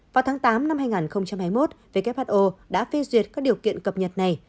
vào tháng tám năm hai nghìn hai mươi một who đã phê duyệt các điều kiện cập nhật này